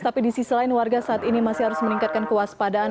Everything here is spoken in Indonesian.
tapi di sisi lain warga saat ini masih harus meningkatkan kewaspadaan